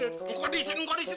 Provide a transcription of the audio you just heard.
engga diisi engga diisi